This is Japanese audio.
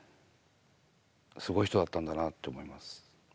すごい人だったんだなと思います。